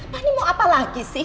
pak ini mau apa lagi sih